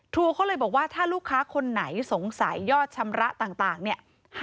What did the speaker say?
เขาเลยบอกว่าถ้าลูกค้าคนไหนสงสัยยอดชำระต่างเนี่ย